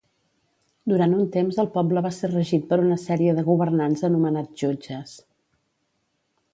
Durant un temps el poble va ser regit per una sèrie de governants anomenats jutges.